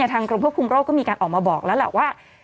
ทางกรมภพภูมิโรคก็มีการออกมาบอกแล้วแหละว่า